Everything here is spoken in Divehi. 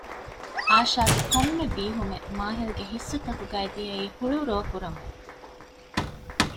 އާޝާގެ ކޮންމެ ބީހުމެއް މާޙިލްގެ ހިއްސުތަކުގައި ދިޔައީ ހުޅުރޯކުރަމުން